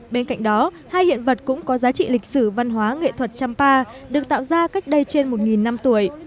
bên cạnh đó hai hiện vật cũng có giá trị lịch sử văn hóa nghệ thuật champa được tạo ra cách đây trên một năm tuổi